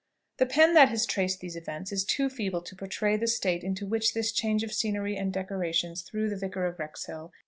The pen that has traced these events is too feeble to portray the state into which this change of scenery and decorations threw the Vicar of Wrexhill.